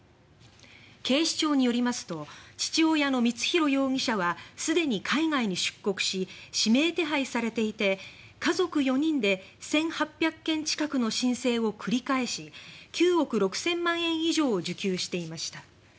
警視庁によりますと父親の光弘容疑者はすでに海外に出国し指名手配されていて家族４人で１８００件近くの申請を繰り返し９億６０００万円以上を受給していました。